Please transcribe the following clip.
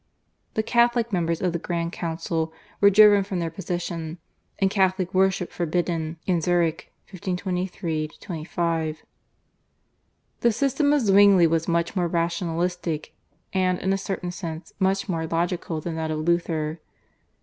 The Catholic members of the Grand Council were driven from their position, and Catholic worship forbidden in Zurich (1523 5). The system of Zwingli was much more rationalistic and, in a certain sense, much more logical than that of Luther.